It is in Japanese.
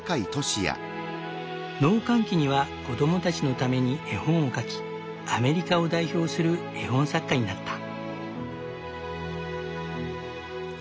農閑期には子供たちのために絵本を描きアメリカを代表する絵本作家になった。